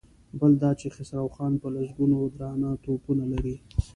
بل دا چې خسرو خان په لسګونو درانه توپونه لري.